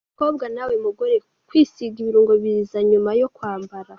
Mukobwa nawe mugore, kwisiga ibirungo biza nyuma yo kwambara.